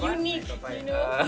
dia senyum dengan baik